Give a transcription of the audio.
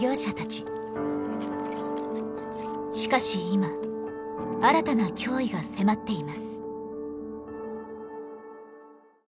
しかし今新たな脅威が迫っています。